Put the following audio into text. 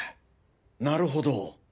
なるほど。